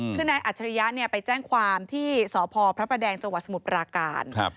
เพราะนายอัจฉริยะไปแจ้งความที่สพพระพระแดงจสมุทรปราการ